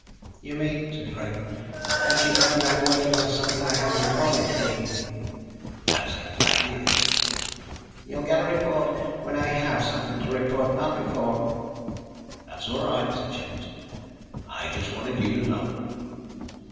"You mean," said Craven, "that you've found I'm working on something I haven't reported to you." "That's exactly it." "You'll get a report when I have something to report. Not before." "That's all right," said Chambers. "I just wanted you to know."